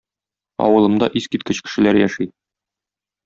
Авылымда искиткеч кешеләр яши.